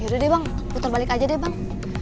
ya udah deh bang puter balik aja deh bang